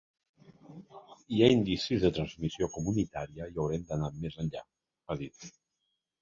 Hi ha indicis de transmissió comunitària i haurem d’anar més enllà, ha dit.